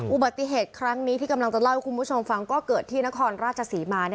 อุบัติเหตุครั้งนี้ที่กำลังจะเล่าให้คุณผู้ชมฟังก็เกิดที่นครราชศรีมา